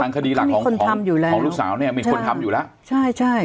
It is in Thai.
ทางคดีหลักของของลูกสาวเนี่ยมีคนทำอยู่แล้วมีคนทำอยู่แล้ว